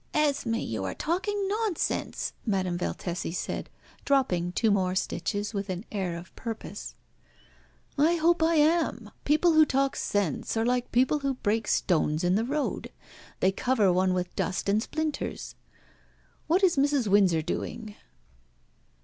"Esmé, you are talking nonsense!" Madame Valtesi said, dropping two more stitches with an air of purpose. "I hope I am. People who talk sense are like people who break stones in the road: they cover one with dust and splinters. What is Mrs. Windsor doing?"